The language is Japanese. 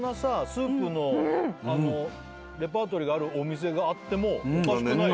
スープのレパートリーがあるお店があってもおかしくない。